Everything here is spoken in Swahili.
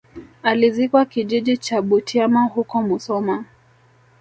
Alizikwa kijiji cha Butiama huko musoma